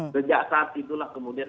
sejak saat itulah kemudian